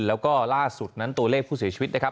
แล้วก็ล่าสุดนั้นตัวเลขผู้เสียชีวิตนะครับ